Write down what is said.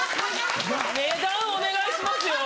値段をお願いしますよ。